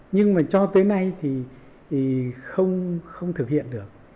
nhưng mà cho tới nay thì không thực hiện được